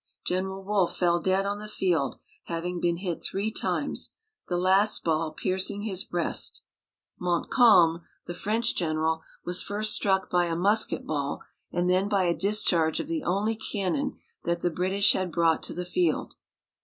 General Wolfe fell dead on the field, having been hit three times, the last ball piercing his breast. Montcalm, 326 BRITISH AMERICA. The Citadel — Quebec the French general, was first struck by a musket ball, and then by a discharge of the only cannon that the British had brought to the field.